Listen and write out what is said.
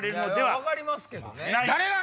分かりますけどね。